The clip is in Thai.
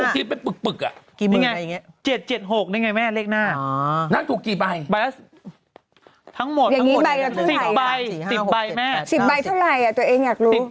ทั้งหมด๑๐ใบเมตรทั้งหมด๑๐ใบเมตรเท่าไหร่ตัวเองอยากรู้